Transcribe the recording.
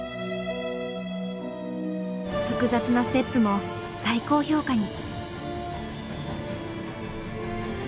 複雑なステップも最高評価に。